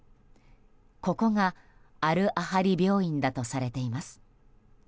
ここがアル・アハリ病院だとされています。